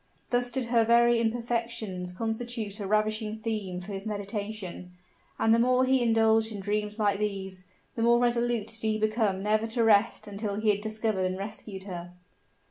Thus did her very imperfections constitute a ravishing theme for his meditation; and the more he indulged in dreams like these, the more resolute did he become never to rest until he had discovered and rescued her.